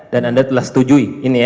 dan anda telah setujui ini ya